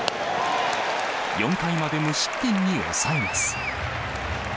４回まで無失点に抑えます。